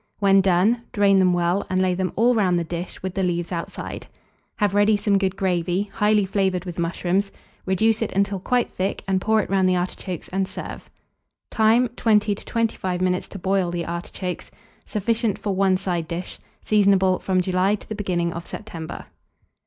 When done, drain them well, and lay them all round the dish, with the leaves outside. Have ready some good gravy, highly flavoured with mushrooms; reduce it until quite thick, and pour it round the artichokes, and serve. Time. 20 to 25 minutes to boil the artichokes. Sufficient for one side dish. Seasonable from July to the beginning of September.